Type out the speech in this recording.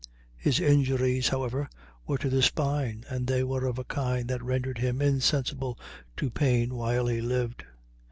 His injuries, however, were to the spine, and they were of a kind that rendered him insensible to pain while he lived.